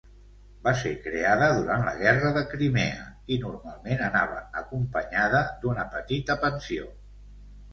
Va ser creada durant la Guerra de Crimea, i normalment anava acompanyada d'una petita pensió.